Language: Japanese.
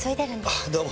ああどうも。